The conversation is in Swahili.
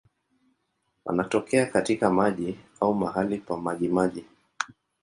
Wanatokea katika maji au mahali pa majimaji.